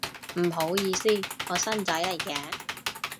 唔好意思，我新仔嚟嘅